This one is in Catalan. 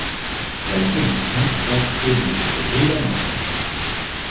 Per començar, vaig tornar a llegir la nota.